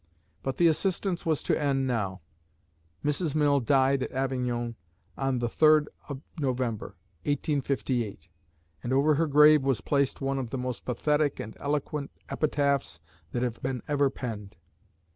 But the assistance was to end now. Mrs. Mill died at Avignon on the 3d of November, 1858, and over her grave was placed one of the most pathetic and eloquent epitaphs that have been ever penned.